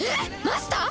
マスター？